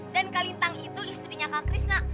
dan kak lintang itu istrinya kak krisna